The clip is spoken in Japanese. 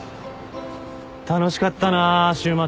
楽しかったな週末。